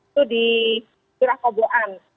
itu di surakoboan